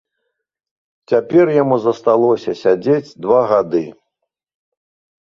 Цяпер яму засталося сядзець два гады.